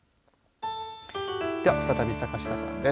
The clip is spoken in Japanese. では、再び坂下さんです。